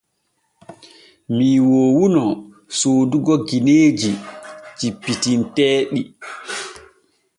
Mii woowuno soodugo gineeji cippitinteeɗi.